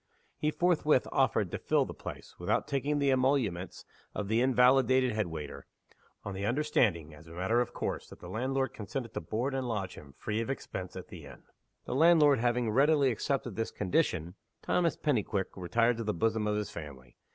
He forthwith offered to fill the place, without taking the emoluments, of the invalided headwaiter on the understanding, as a matter of course, that the landlord consented to board and lodge him free of expense at the inn. The landlord having readily accepted this condition, Thomas Pennyquick retired to the bosom of his family.